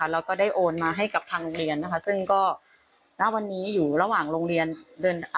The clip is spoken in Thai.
แล้วโอนมาให้ทางโรงเรียนซึ่งในวันนี้อยู่ระหว่างโรงเรียน